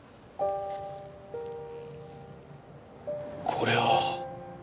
これは！？